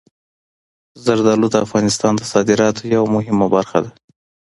زردالو د افغانستان د صادراتو یوه مهمه برخه ده.